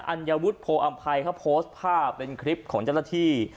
ัญวุฒิโพออำภัยเขาโพสต์ภาพเป็นคลิปของเจ้าหน้าที่